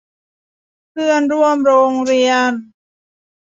เพื่อนร่วมโรงเรียน